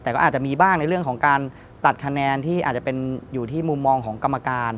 แต่ก็อาจจะมีบ้างในเรื่องของการตัดคะแนนที่อาจจะเป็นอยู่ที่มุมมองของกรรมการ